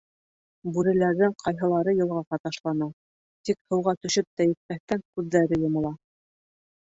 Бүреләрҙең ҡайһылары йылғаға ташлана, тик һыуға төшөп тә етмәҫтән күҙҙәре йомола.